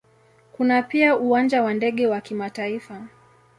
Kuna pia Uwanja wa ndege wa kimataifa.